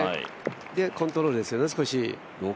で、コントロールですね、少し。